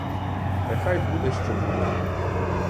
Нехай буде, що буде.